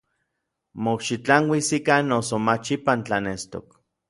Mokxitlanuis ikan noso mach ipan tlanestok.